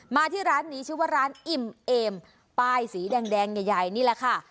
มาที่ร้านนี้ชื่อว่าร้านอิ่มเอมป้ายสีแดงใหญ่นี่แหละค่ะ